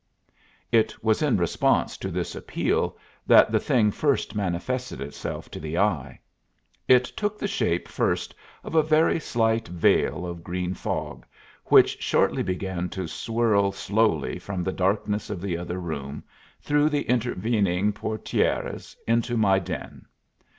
It was in response to this appeal that the thing first manifested itself to the eye. It took the shape first of a very slight veil of green fog, which shortly began to swirl slowly from the darkness of the other room through the intervening portières into my den.